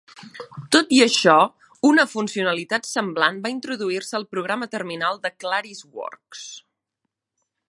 Tot i això, una funcionalitat semblant va introduir-se al programa terminal de ClarisWorks.